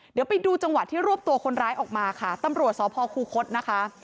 เดี๋ยวไปดูจังหวะที่รวบตัวคนร้ายออกมาค่ะตำรวจสพคูคศนะคะ